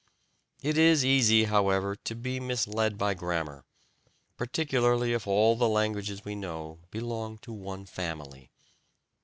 It is easy, however, to be misled by grammar, particularly if all the languages we know belong to one family.